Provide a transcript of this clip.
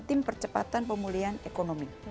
tim percepatan pemulihan ekonomi